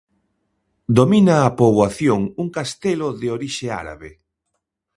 Domina a poboación un castelo de orixe árabe.